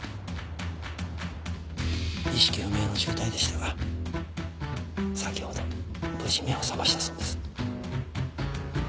意識不明の重体でしたが先ほど無事目を覚ましたそうです。